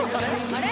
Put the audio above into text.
あれ？